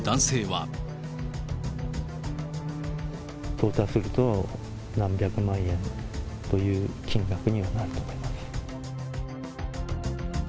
トータルすると、何百万円という金額にはなると思います。